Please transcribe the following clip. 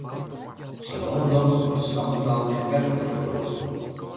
Sa no en dan wurdt de standerttaal ek wetlik feroare.